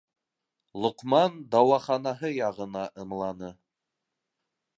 - Лоҡман дауаханаһы яғына ымланы.